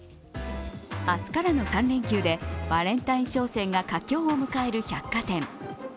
明日からの３連休でバレンタイン商戦が佳境を迎える百貨店。